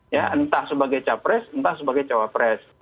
ya entah sebagai capres entah sebagai cawapres